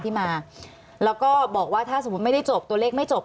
ที่มาแล้วก็บอกว่าถ้าสมมุติไม่ได้จบตัวเลขไม่จบ